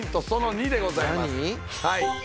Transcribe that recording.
その２でございます